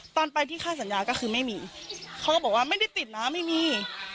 ตอนไปที่ค่าสัญญาก็คือไม่มีเขาก็บอกว่าไม่ได้ติดนะไม่มี